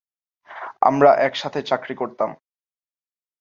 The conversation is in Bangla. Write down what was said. আমরা একসাথে চাকরি করতাম।